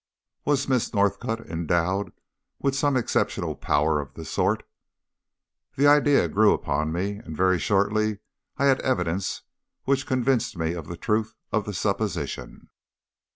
Was Miss Northcott endowed with some exceptional power of the sort? The idea grew upon me, and very shortly I had evidence which convinced me of the truth of the supposition.